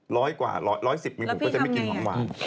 ร้อยกว่าร้อยสิบมีหูก็จะไม่กินหวานแล้วพี่ทำยังไง